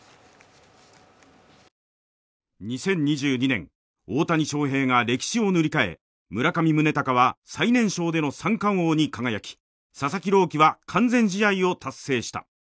２０２２年、大谷翔平が歴史を塗り替え村上宗隆は三冠王に輝き、佐々木朗希は完全試合を達成した。